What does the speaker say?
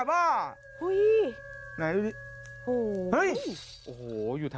สวัสดีทุกคน